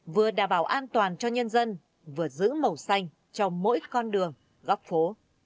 vừa đảm bảo an toàn cho nhân dân vừa giữ màu xanh cho mỗi con đường góc phố